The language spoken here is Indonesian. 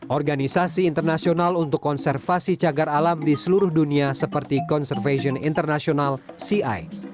organisasi internasional untuk konservasi cagar alam di seluruh dunia seperti conservation international ci